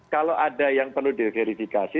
kalau ada yang perlu diverifikasi